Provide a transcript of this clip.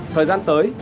thời gian tới